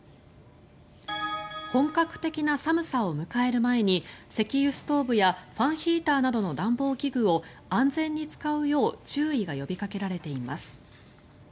本格的な寒さを迎える前に石油ストーブやファンヒーターなどの暖房器具を安全に使うよう注意が呼びかけられています。